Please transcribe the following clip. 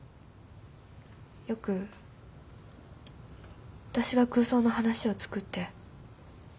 よく私が空想の話をつくって。